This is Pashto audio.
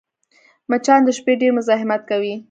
مچان د شپې ډېر مزاحمت کوي